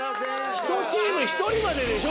１チーム１人まででしょ？